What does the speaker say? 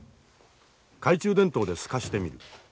懐中電灯で透かしてみる。